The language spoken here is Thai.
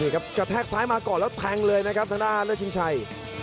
กระแทกซ้ายมาก่อนแล้วแพงเลยนะครับท่านท่านท่านเลือดชิงชัย